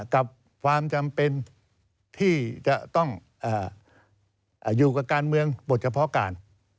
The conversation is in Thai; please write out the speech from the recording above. กับความจำเป็นที่จะต้องอยู่กับการเมืองบทเฉพาะการ